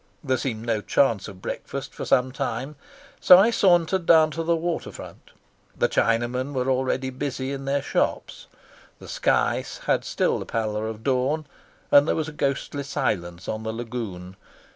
There seemed no chance of breakfast for some time, so I sauntered down to the water front. The Chinamen were already busy in their shops. The sky had still the pallor of dawn, and there was a ghostly silence on the lagoon.